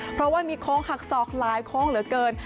เพราะว่ามีโค้งหักศอกหลายโค้งเหลือเกิน